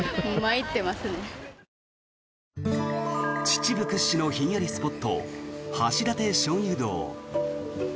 秩父屈指のひんやりスポット橋立鍾乳洞。